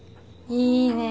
いいね。